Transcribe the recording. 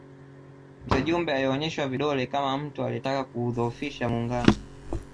Mzee Jumbe alinyooshewa vidole kama mtu aliyetaka kuudhofisha Muungano